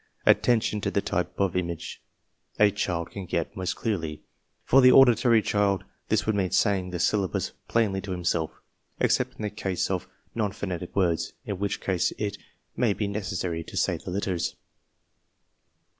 Attention to the type of image a child can get most clearly. For the auditory child, this would mean saying the syllables plainly to himself, except in the case of non phonetic words, in which case it may be necessary to say the letters.